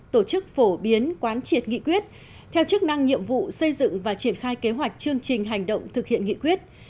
tổ chức phổ biến quán triệt nghị quyết theo chức năng nhiệm vụ xây dựng và triển khai kế hoạch chương trình hành động thực hiện nghị quyết